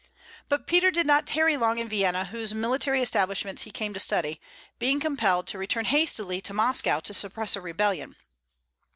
But Peter did not tarry long in Vienna, whose military establishments he came to study, being compelled to return hastily to Moscow to suppress a rebellion.